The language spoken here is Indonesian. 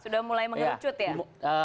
sudah mulai mengercut ya